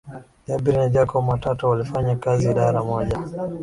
Jabir na Jacob matata walifanya kazi idara moja